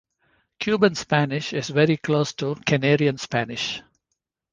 Cuban Spanish is very close to Canarian Spanish.